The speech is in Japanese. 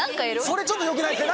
それちょっとよくないですね！